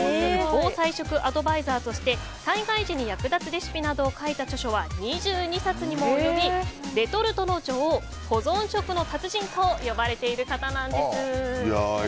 防災食アドバイザーとして災害時に役立つレシピなどを書いた著書は２２冊にもおよびレトルトの女王、保存食の達人と呼ばれている方なんです。